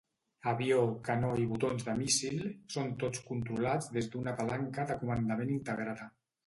Avió, canó i botons de míssil són tots controlats des d'una palanca de comandament integrada.